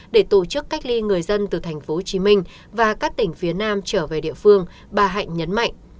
để tổ chức cách ly người dân từ tp hcm và các tỉnh phía nam trở về địa phương bà hạnh nhấn mạnh